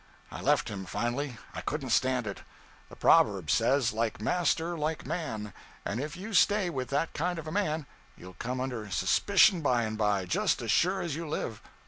I left him, finally; I couldn't stand it. The proverb says, "like master, like man;" and if you stay with that kind of a man, you'll come under suspicion by and by, just as sure as you live.